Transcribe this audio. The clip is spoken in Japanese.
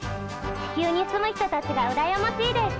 地球に住む人たちがうらやましいです。